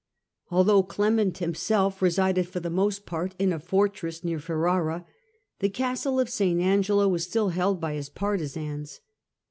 Although Clement himself resided for the most part in a fortress near Ferrara, the castle of St. Angelo was still held by his partisans.